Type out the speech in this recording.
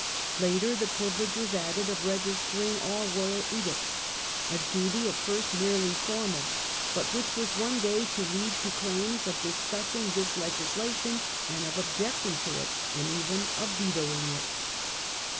Later the privilege was added of registering all royal edicts ; a duty at first merely formal, but which was one day to lead to claims of discussing this legislation and of objecting to it and even of vetoing it.